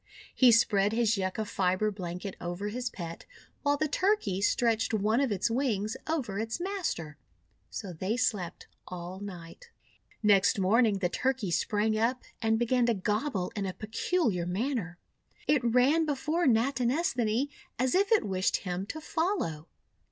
He spread his Yucca fibre blanket over his pet, while the Turkey stretched one of its wings over its master. So they slept all night. Next morning the Turkey sprang up and began to gobble in a peculiar manner. It ran before Natinesthani as if it wished him to follow.